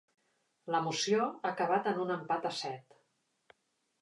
La moció ha acabat en un empat a set.